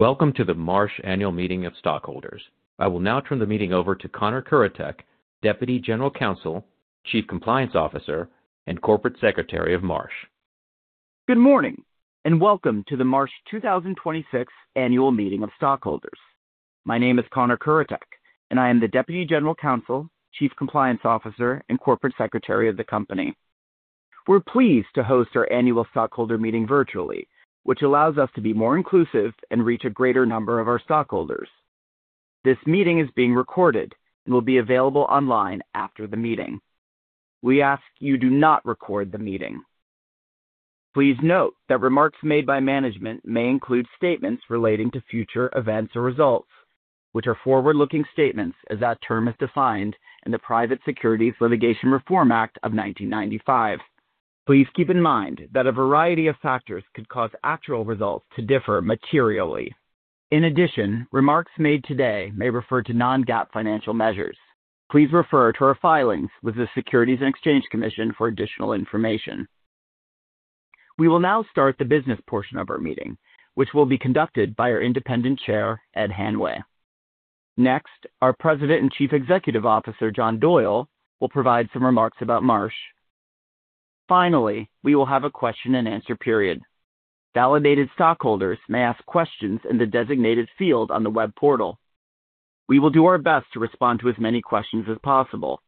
Welcome to the Marsh Annual Meeting of Stockholders. I will now turn the meeting over to Connor Kuratek, Deputy General Counsel, Chief Compliance Officer, and Corporate Secretary of Marsh. Good morning, and welcome to the Marsh 2026 Annual Meeting of Stockholders. My name is Connor Kuratek, and I am the Deputy General Counsel, Chief Compliance Officer, and Corporate Secretary of the company. We're pleased to host our annual stockholder meeting virtually, which allows us to be more inclusive and reach a greater number of our stockholders. This meeting is being recorded and will be available online after the meeting. We ask you do not record the meeting. Please note that remarks made by management may include statements relating to future events or results, which are forward-looking statements as that term is defined in the Private Securities Litigation Reform Act of 1995. Please keep in mind that a variety of factors could cause actual results to differ materially. In addition, remarks made today may refer to non-GAAP financial measures. Please refer to our filings with the Securities and Exchange Commission for additional information. We will now start the business portion of our meeting, which will be conducted by our independent chair, Ed Hanway. Next, our President and Chief Executive Officer, John Doyle, will provide some remarks about Marsh. Finally, we will have a question-and-answer period. Validated stockholders may ask questions in the designated field on the web portal. We will do our best to respond to as many questions as possible.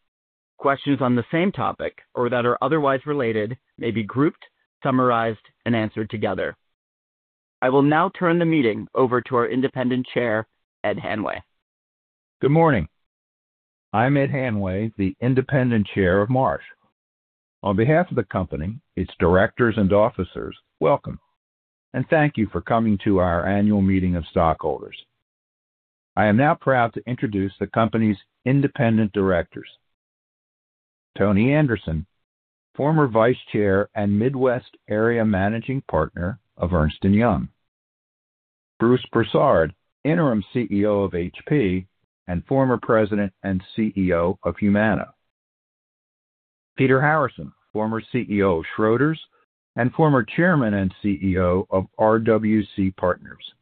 Questions on the same topic or that are otherwise related may be grouped, summarized, and answered together. I will now turn the meeting over to our independent chair, Ed Hanway. Good morning. I'm Ed Hanway, the Independent Chair of Marsh. On behalf of the company, its directors and officers, welcome, and thank you for coming to our annual meeting of stockholders. I am now proud to introduce the company's independent directors. Tony Anderson, former Vice Chair and Midwest Area Managing Partner of Ernst & Young. Bruce Broussard, Interim CEO of HP and former President and CEO of Humana. Peter Harrison, former CEO of Schroders and former Chairman and CEO of RWC Partners.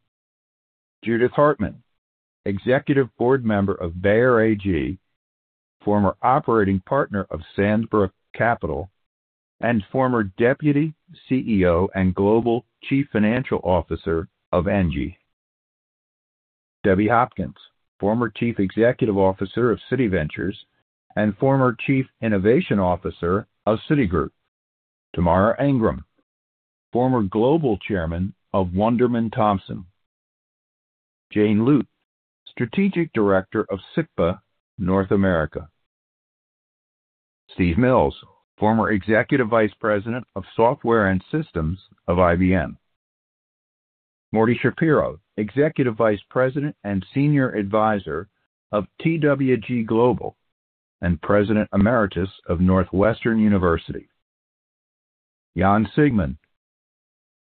Judith Hartmann, Executive Board Member of Bayer AG, former Operating Partner of Sandbrook Capital, and former Deputy CEO and Global Chief Financial Officer of ENGIE. Deborah C. Hopkins, former Chief Executive Officer of Citi Ventures and former Chief Innovation Officer of Citigroup. Tamara Ingram, former Global Chairman of Wunderman Thompson. Jane Holl Lute, Strategic Director of SICPA North America. Steve Mills, former Executive Vice President of Software and Systems of IBM. Morty Schapiro, Executive Vice President and Senior Advisor of TWG Global and President Emeritus of Northwestern University. Jan Siegmund,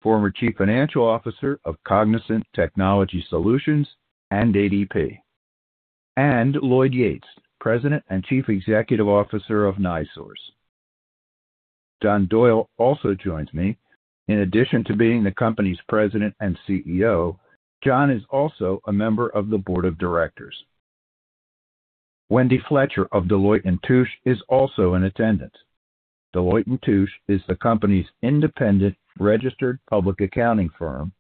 former Chief Financial Officer of Cognizant Technology Solutions and ADP. Lloyd Yates, President and Chief Executive Officer of NiSource. John Doyle also joins me. In addition to being the company's President and CEO, John is also a member of the Board of Directors. Wendy Fletcher of Deloitte & Touche is also in attendance. Deloitte & Touche is the company's independent registered public accounting firm,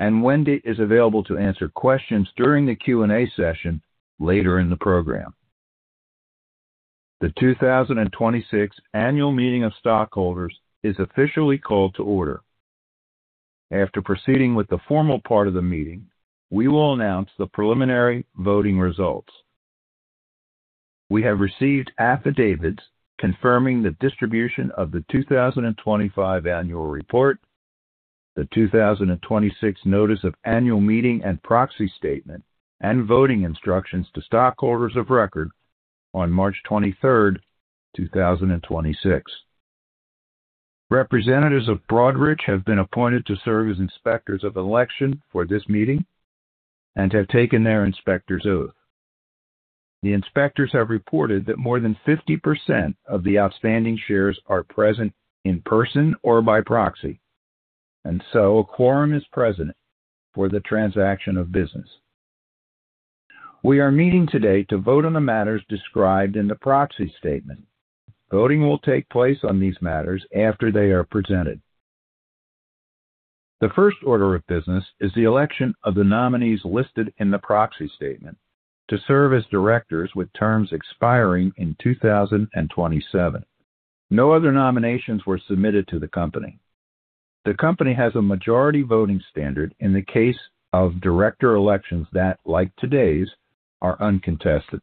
and Wendy is available to answer questions during the Q&A session later in the program. The 2026 Annual Meeting of Stockholders is officially called to order. After proceeding with the formal part of the meeting, we will announce the preliminary voting results. We have received affidavits confirming the distribution of the 2025 Annual Report, the 2026 Notice of Annual Meeting and Proxy Statement, and voting instructions to stockholders of record on March 23rd, 2026. Representatives of Broadridge have been appointed to serve as inspectors of election for this meeting and have taken their inspector's oath. The inspectors have reported that more than 50% of the outstanding shares are present in person or by proxy, and so a quorum is present for the transaction of business. We are meeting today to vote on the matters described in the proxy statement. Voting will take place on these matters after they are presented. The first order of business is the election of the nominees listed in the proxy statement to serve as directors with terms expiring in 2027. No other nominations were submitted to the company. The company has a majority voting standard in the case of director elections that, like today's, are uncontested.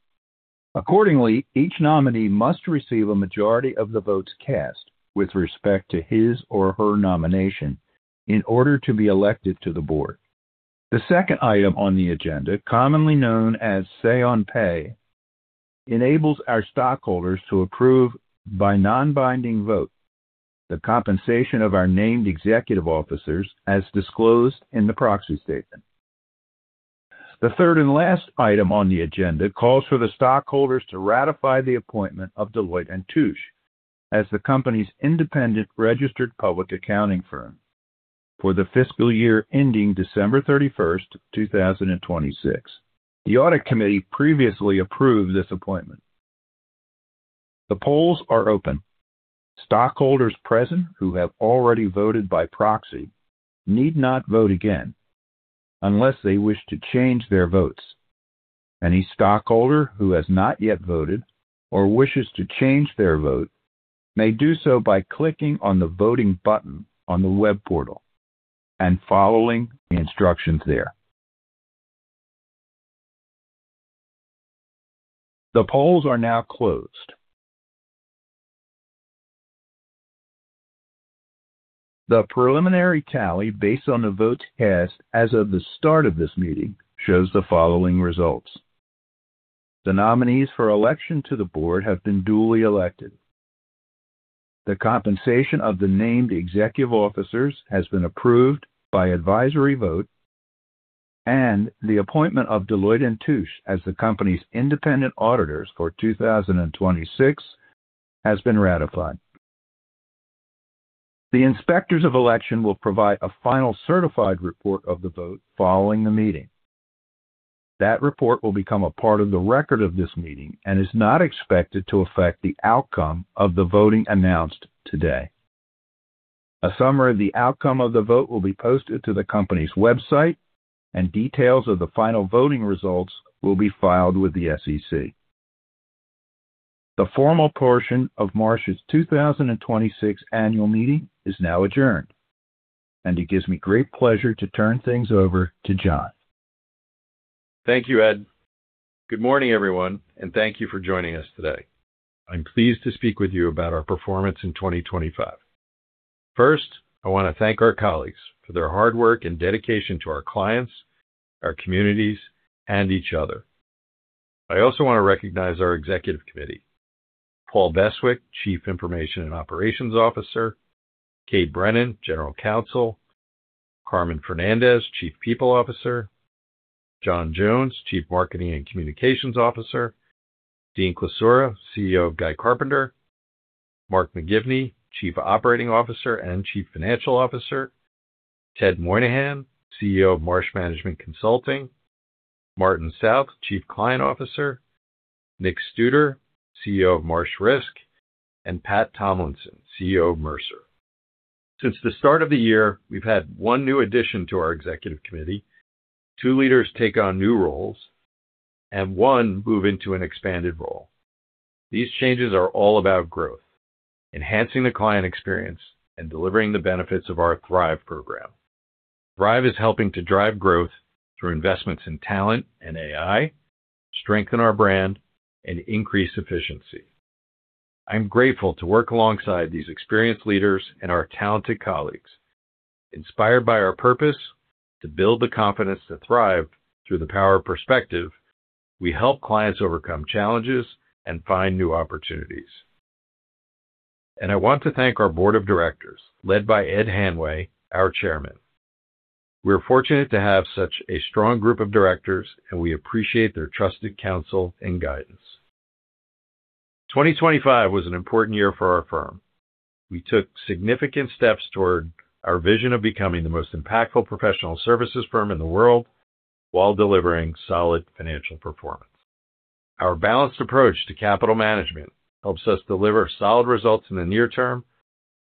Accordingly, each nominee must receive a majority of the votes cast with respect to his or her nomination in order to be elected to the board. The second item on the agenda, commonly known as say on pay, enables our stockholders to approve by non-binding vote the compensation of our named executive officers as disclosed in the proxy statement. The third and last item on the agenda calls for the stockholders to ratify the appointment of Deloitte & Touche as the company's independent registered public accounting firm for the fiscal year ending December 31st, 2026. The audit committee previously approved this appointment. The polls are open. Stockholders present who have already voted by proxy need not vote again unless they wish to change their votes. Any stockholder who has not yet voted or wishes to change their vote may do so by clicking on the voting button on the web portal and following the instructions there. The polls are now closed. The preliminary tally, based on the votes cast as of the start of this meeting, shows the following results. The nominees for election to the board have been duly elected. The compensation of the named executive officers has been approved by advisory vote, and the appointment of Deloitte & Touche as the company's independent auditors for 2026 has been ratified. The Inspectors of Election will provide a final certified report of the vote following the meeting. That report will become a part of the record of this meeting and is not expected to affect the outcome of the voting announced today. A summary of the outcome of the vote will be posted to the company's website, and details of the final voting results will be filed with the SEC. The formal portion of Marsh's 2026 annual meeting is now adjourned, and it gives me great pleasure to turn things over to John. Thank you, Ed. Good morning, everyone, and thank you for joining us today. I am pleased to speak with you about our performance in 2025. First, I want to thank our colleagues for their hard work and dedication to our clients, our communities, and each other. I also want to recognize our Executive Committee. Paul Beswick, Chief Information and Operations Officer, Kate Brennan, General Counsel, Carmen Fernandez, Chief People Officer, John Jones, Chief Marketing and Communications Officer, Dean Klisura, CEO of Guy Carpenter, Mark McGivney, Chief Operating Officer and Chief Financial Officer, Ted Moynihan, CEO of Marsh Management Consulting, Martin South, Chief Client Officer, Nick Studer, CEO of Marsh Risk, and Pat Tomlinson, CEO of Mercer. Since the start of the year, we have had one new addition to our Executive Committee, two leaders take on new roles, and one move into an expanded role. These changes are all about growth, enhancing the client experience, and delivering the benefits of our Thrive program. Thrive is helping to drive growth through investments in talent and AI, strengthen our brand, and increase efficiency. I'm grateful to work alongside these experienced leaders and our talented colleagues. Inspired by our purpose to build the confidence to thrive through the power of perspective, we help clients overcome challenges and find new opportunities. I want to thank our board of directors, led by Ed Hanway, our chairman. We are fortunate to have such a strong group of directors, and we appreciate their trusted counsel and guidance. 2025 was an important year for our firm. We took significant steps toward our vision of becoming the most impactful professional services firm in the world while delivering solid financial performance. Our balanced approach to capital management helps us deliver solid results in the near term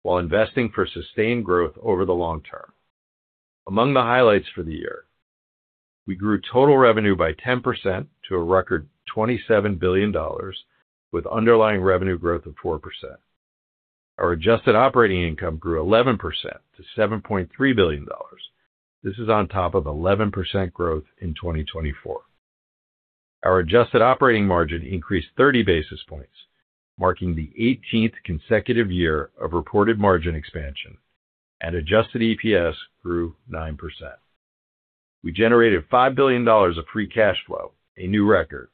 while investing for sustained growth over the long term. Among the highlights for the year, we grew total revenue by 10% to a record $27 billion with underlying revenue growth of 4%. Our adjusted operating income grew 11% to $7.3 billion. This is on top of 11% growth in 2024. Our adjusted operating margin increased 30 basis points, marking the 18th consecutive year of reported margin expansion, and adjusted EPS grew 9%. We generated $5 billion of free cash flow, a new record.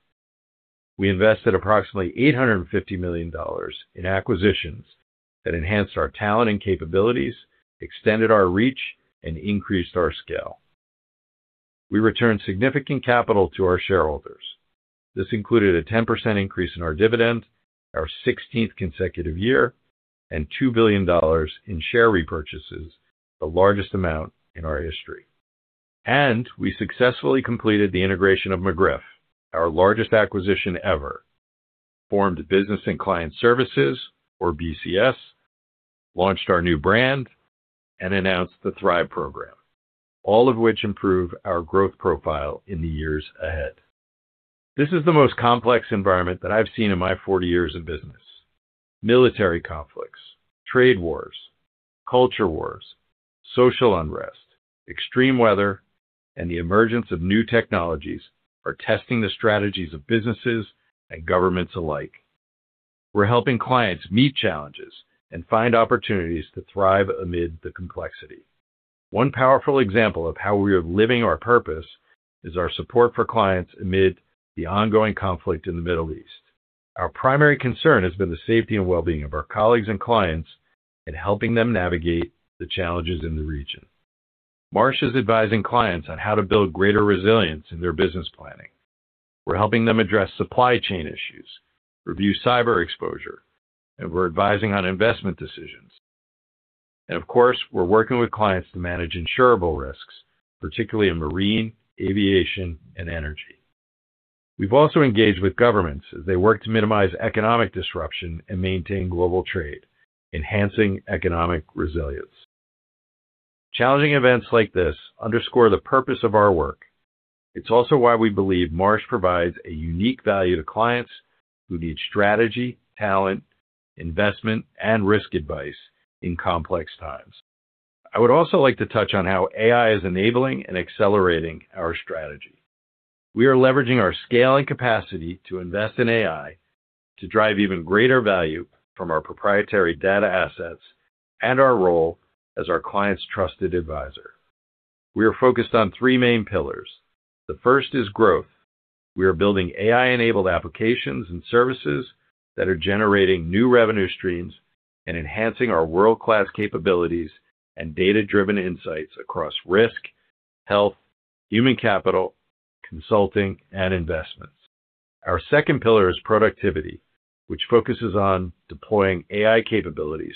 We invested approximately $850 million in acquisitions that enhanced our talent and capabilities, extended our reach, and increased our scale. We returned significant capital to our shareholders. This included a 10% increase in our dividend, our 16th consecutive year, and $2 billion in share repurchases, the largest amount in our history. We successfully completed the integration of McGriff, our largest acquisition ever, formed Business and Client Services, or BCS, launched our new brand, and announced the Thrive program, all of which improve our growth profile in the years ahead. This is the most complex environment that I've seen in my 40 years in business. Military conflicts, trade wars, culture wars, social unrest, extreme weather, and the emergence of new technologies are testing the strategies of businesses and governments alike. We're helping clients meet challenges and find opportunities to thrive amid the complexity. One powerful example of how we are living our purpose is our support for clients amid the ongoing conflict in the Middle East. Our primary concern has been the safety and wellbeing of our colleagues and clients and helping them navigate the challenges in the region. Marsh is advising clients on how to build greater resilience in their business planning. We're helping them address supply chain issues, review cyber exposure, and we're advising on investment decisions. Of course, we're working with clients to manage insurable risks, particularly in marine, aviation, and energy. We've also engaged with governments as they work to minimize economic disruption and maintain global trade, enhancing economic resilience. Challenging events like this underscore the purpose of our work. It's also why we believe Marsh provides a unique value to clients who need strategy, talent, investment, and risk advice in complex times. I would also like to touch on how AI is enabling and accelerating our strategy. We are leveraging our scale and capacity to invest in AI to drive even greater value from our proprietary data assets and our role as our clients' trusted advisor. We are focused on three main pillars. The first is growth. We are building AI-enabled applications and services that are generating new revenue streams and enhancing our world-class capabilities and data-driven insights across risk, health, human capital, consulting, and investments. Our second pillar is productivity, which focuses on deploying AI capabilities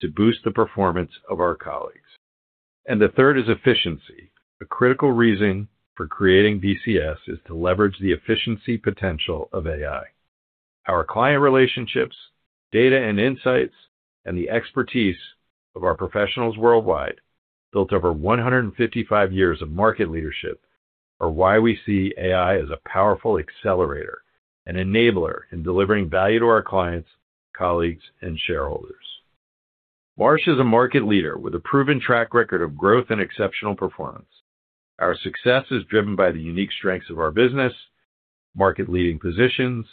to boost the performance of our colleagues. The third is efficiency. A critical reason for creating BCS is to leverage the efficiency potential of AI. Our client relationships, data and insights, and the expertise of our professionals worldwide, built over 155 years of market leadership, are why we see AI as a powerful accelerator and enabler in delivering value to our clients, colleagues, and shareholders. Marsh is a market leader with a proven track record of growth and exceptional performance. Our success is driven by the unique strengths of our business, market-leading positions,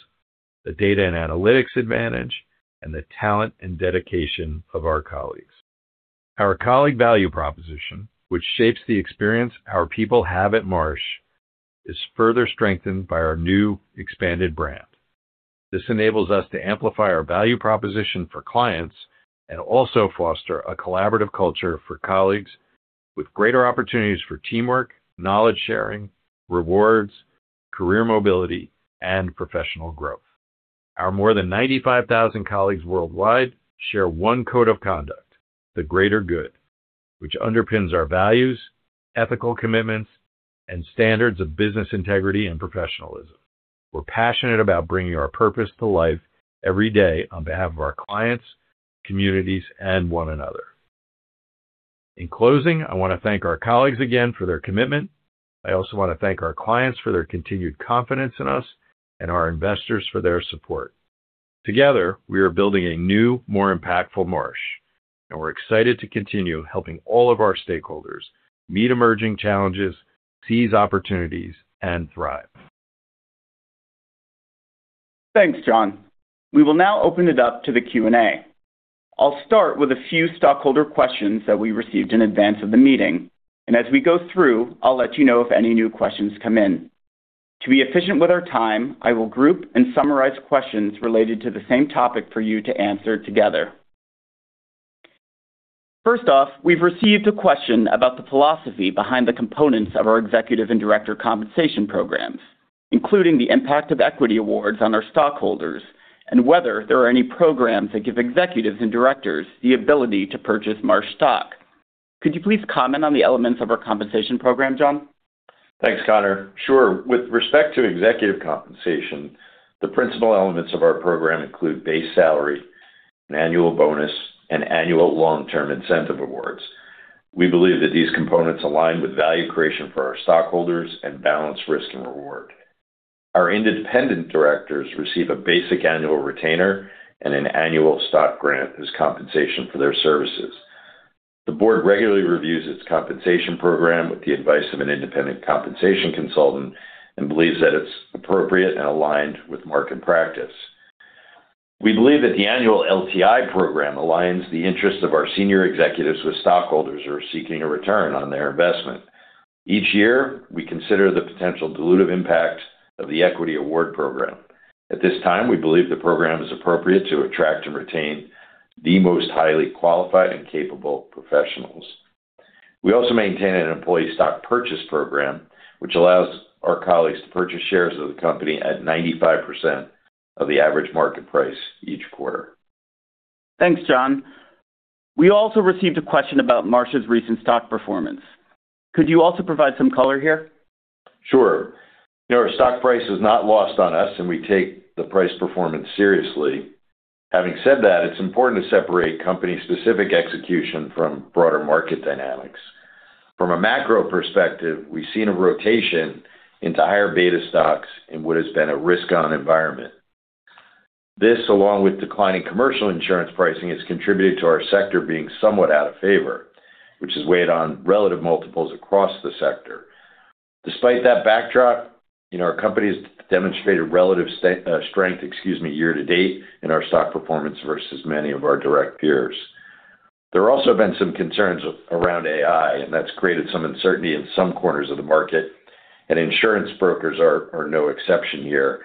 the data and analytics advantage, and the talent and dedication of our colleagues. Our colleague value proposition, which shapes the experience our people have at Marsh, is further strengthened by our new expanded brand. This enables us to amplify our value proposition for clients and also foster a collaborative culture for colleagues with greater opportunities for teamwork, knowledge sharing, rewards, career mobility, and professional growth. Our more than 95,000 colleagues worldwide share one code of conduct, the greater good, which underpins our values, ethical commitments, and standards of business integrity and professionalism. We're passionate about bringing our purpose to life every day on behalf of our clients, communities, and one another. In closing, I want to thank our colleagues again for their commitment. I also want to thank our clients for their continued confidence in us, and our investors for their support. Together, we are building a new, more impactful Marsh, and we're excited to continue helping all of our stakeholders meet emerging challenges, seize opportunities, and thrive. Thanks, John. We will now open it up to the Q&A. I'll start with a few stockholder questions that we received in advance of the meeting, and as we go through, I'll let you know if any new questions come in. To be efficient with our time, I will group and summarize questions related to the same topic for you to answer together. First off, we've received a question about the philosophy behind the components of our executive and director compensation programs, including the impact of equity awards on our stockholders and whether there are any programs that give executives and directors the ability to purchase Marsh stock. Could you please comment on the elements of our compensation program, John? Thanks, Connor. Sure. With respect to executive compensation, the principal elements of our program include base salary, an annual bonus, and annual long-term incentive awards. We believe that these components align with value creation for our stockholders and balance risk and reward. Our independent directors receive a basic annual retainer and an annual stock grant as compensation for their services. The board regularly reviews its compensation program with the advice of an independent compensation consultant and believes that it's appropriate and aligned with market practice. We believe that the annual LTI program aligns the interests of our senior executives with stockholders who are seeking a return on their investment. Each year, we consider the potential dilutive impact of the equity award program. At this time, we believe the program is appropriate to attract and retain the most highly qualified and capable professionals. We also maintain an employee stock purchase program, which allows our colleagues to purchase shares of the company at 95% of the average market price each quarter. Thanks, John. We also received a question about Marsh's recent stock performance. Could you also provide some color here? Sure. Our stock price is not lost on us, and we take the price performance seriously. Having said that, it's important to separate company-specific execution from broader market dynamics. From a macro perspective, we've seen a rotation into higher beta stocks in what has been a risk-on environment. This, along with declining commercial insurance pricing, has contributed to our sector being somewhat out of favor, which has weighed on relative multiples across the sector. Despite that backdrop, our company has demonstrated relative strength, excuse me, year to date in our stock performance versus many of our direct peers. There have also been some concerns around AI, and that's created some uncertainty in some corners of the market, and insurance brokers are no exception here.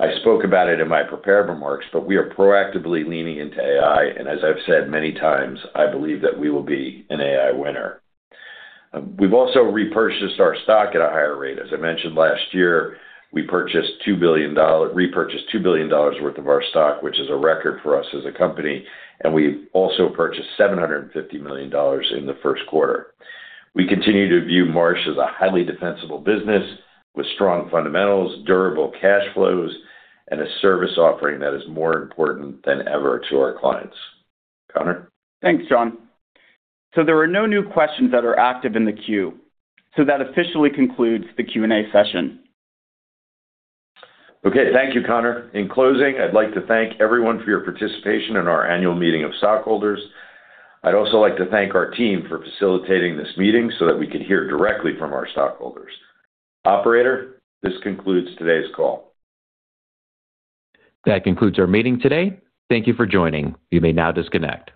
I spoke about it in my prepared remarks, but we are proactively leaning into AI, and as I've said many times, I believe that we will be an AI winner. We've also repurchased our stock at a higher rate. As I mentioned last year, we repurchased $2 billion worth of our stock, which is a record for us as a company, and we also purchased $750 million in the Q1. We continue to view Marsh as a highly defensible business with strong fundamentals, durable cash flows, and a service offering that is more important than ever to our clients. Connor? Thanks, John. There are no new questions that are active in the queue. That officially concludes the Q&A session. Okay. Thank you, Connor. In closing, I'd like to thank everyone for your participation in our annual meeting of stockholders. I'd also like to thank our team for facilitating this meeting so that we could hear directly from our stockholders. Operator, this concludes today's call. That concludes our meeting today. Thank you for joining. You may now disconnect.